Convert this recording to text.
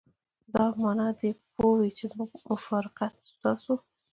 دا معنی دې پوه وي چې موږ مفارقت ستاسو.